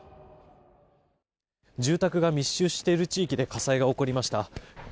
住宅が密集している地域で火災が起こりました。